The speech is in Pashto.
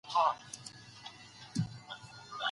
که ډېره ډوډۍ ماڼۍ ته یوړل نه سي، بد به وي.